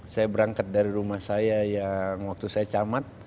saya berangkat dari rumah saya yang waktu saya camat